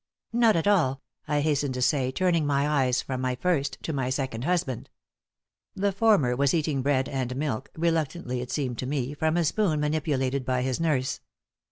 "Not at all," I hastened to say, turning my eyes from my first to my second husband. The former was eating bread and milk reluctantly, it seemed to me from a spoon manipulated by his nurse.